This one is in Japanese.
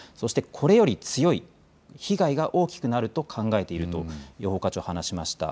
これより強い、被害が大きくなると考えていると予報課長は話しました。